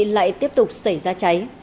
lại tiếp tục xảy ra cháy